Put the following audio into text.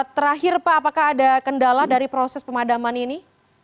terakhir pak apakah ada kendala dari proses pemadaman ini